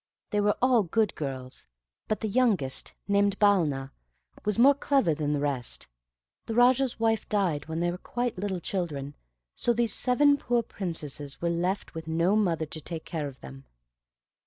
They were all good girls; but the youngest, named Balna, was more clever than the rest. The Raja's wife died when they were quite little children, so these seven poor Princesses were left with no mother to take care of them.